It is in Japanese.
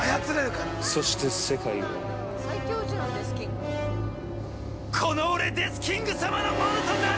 そして世界は、この俺、デスキング様のものとなる！